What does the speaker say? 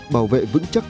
bảo vệ vững chắc